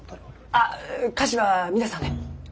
あっ菓子は皆さんで。